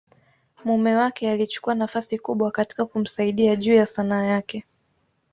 mume wake alichukua nafasi kubwa katika kumsaidia juu ya Sanaa yake.